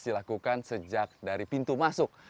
dilakukan sejak dari pintu masuk